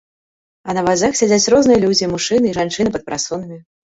А на вазах сядзяць розныя людзі, мужчыны і жанчыны пад парасонамі.